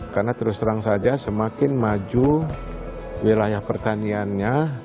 karena terus terang saja semakin maju wilayah pertaniannya